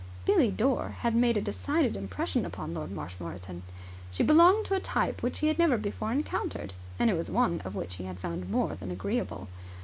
Billie Dore had made a decided impression upon Lord Marshmoreton. She belonged to a type which he had never before encountered, and it was one which he had found more than agreeable.